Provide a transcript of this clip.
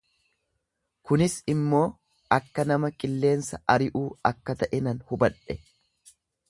kunis immoo akka nama qilleensa ari'uu akka ta'e nan hubadhe;